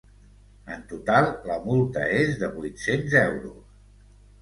En total, la multa és de vuit-cents euros.